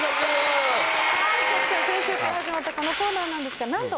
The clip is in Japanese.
先週から始まったこのコーナーなんですがなんと。